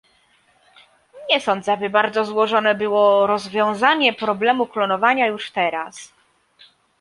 Nie sądzę, by bardzo złożone było rozwiązanie problemu klonowania już teraz